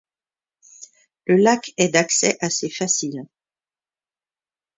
Le lac est d'accès assez facile.